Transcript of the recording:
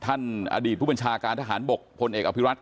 ท่านอดีตบุญชาการทหารบกผลเอกอภิรัตน์